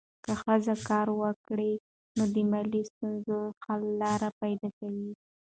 که ښځه کار وکړي، نو د مالي ستونزو حل لارې پیدا کوي.